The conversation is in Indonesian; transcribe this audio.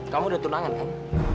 kamu udah tunangan kan